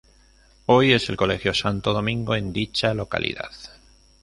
Hoy es el Colegio Santo Domingo en dicha localidad.